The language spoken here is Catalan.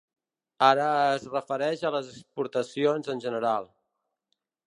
Ara es refereix a les exportacions en general.